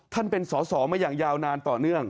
ท่านเป็นศมาอย่างยาวนานต่อเนื่อง